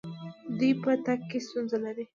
دی په تګ کې ستونزه لري.